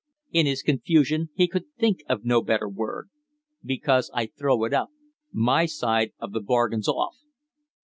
In his confusion he could think of no better word. "Because I throw it up. My side of the bargain's off!"